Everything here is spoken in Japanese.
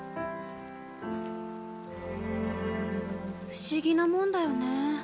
不思議なもんだよね。